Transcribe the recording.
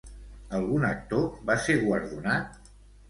Algun actor va ser guardonat?